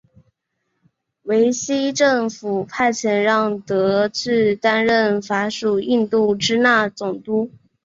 维希政府派遣让德句担任法属印度支那总督。